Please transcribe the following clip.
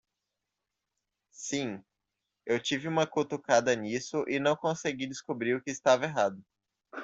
Sim? Eu tive uma cutucada nisso e não consegui descobrir o que estava errado.